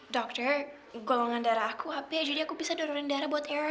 dokter golongan darah aku ab jadi aku bisa dorongin darah buat era